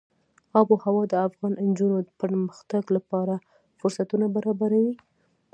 آب وهوا د افغان نجونو د پرمختګ لپاره فرصتونه برابروي.